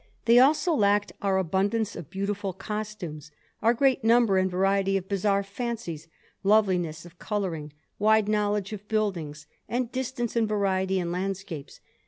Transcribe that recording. They also lacked our abundance of beautiful costumes, our great number and variety of bizarre fancies, loveliness of colouring, wide knowledge of buildings, and distance and variety in landscapes.